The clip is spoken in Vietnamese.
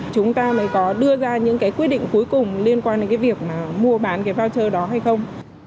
chúng ta mới có đưa ra những cái quyết định cuối cùng liên quan đến cái việc mà mua bán cái voucher đó hay không